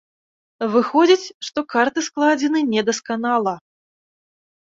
Выходзіць, што карты складзены недасканала.